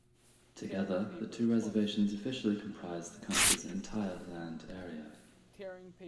Together, the two reservations officially comprise the county's entire land area.